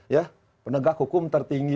ya penegak hukum tertinggi